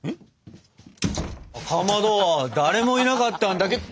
かまど誰もいなかったんだけど。